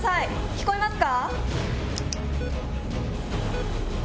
聞こえますか？